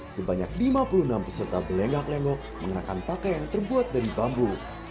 sebanyak lima puluh enam peserta berlenggak lenggok mengenakan pakaian terbuat dari bambu